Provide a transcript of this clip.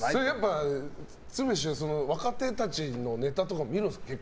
鶴瓶師匠って若手たちのネタとかも見るんですか？